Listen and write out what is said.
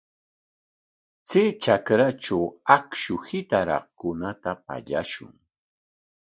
Chay trakratraw akshu hitaraqkunata pallakushun.